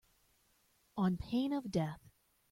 On pain of death.